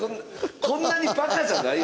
こんなにバカじゃないよ！